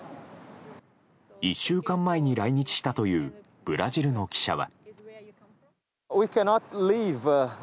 １週間前に来日したというブラジルの記者は。